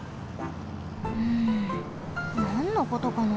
うんなんのことかな？